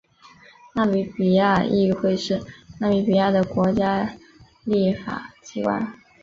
纳米比亚议会是纳米比亚的国家立法机关。